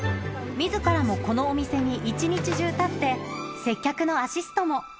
みずからもこのお店に一日中立って、接客のアシストも。